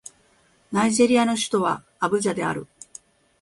ナイジェリアの首都はアブジャである